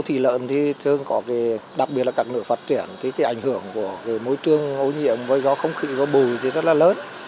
thường có đặc biệt là các nữ phát triển thì cái ảnh hưởng của môi trường ô nhiễm với gói không khí và bùi thì rất là lớn